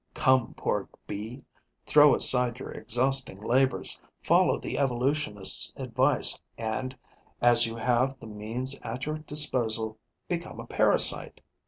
Come, poor Bee! Throw aside your exhausting labours, follow the evolutionists' advice and, as you have the means at your disposal, become a parasite!